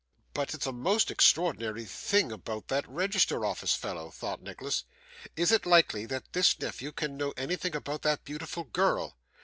'But it's a most extraordinary thing about that register office fellow!' thought Nicholas. 'Is it likely that this nephew can know anything about that beautiful girl?